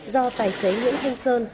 do tài xế nguyễn thanh sơn